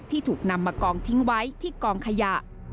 ถูกนำมากองทิ้งไว้ที่กองขยะ